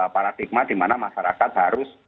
paradigma dimana masyarakat harus